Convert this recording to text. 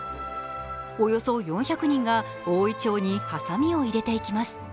およそ４００人が大銀杏にはさみを入れていきます。